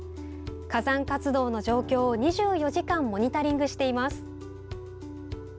火山活動の状況を２４時間モニタリングしています。